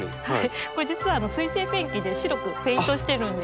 これ実は水性ペンキで白くペイントしてるんです。